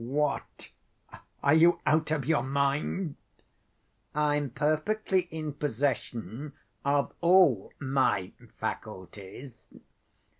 What? Are you out of your mind?" "I'm perfectly in possession of all my faculties."